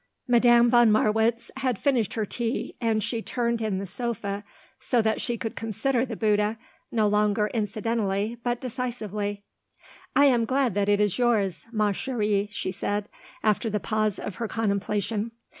Madame von Marwitz had finished her tea and she turned in the sofa so that she could consider the Bouddha no longer incidentally but decisively. "I am glad that it is yours, ma chérie," she said, after the pause of her contemplation.